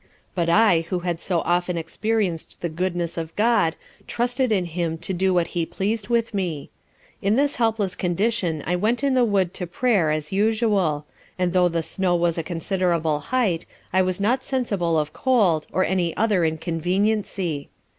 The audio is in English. But I who had so often experienced the Goodness of GOD, trusted in Him to do what He pleased with me. In this helpless condition I went in the wood to prayer as usual; and tho' the snow was a considerable height, I was not sensible of cold, or any other inconveniency.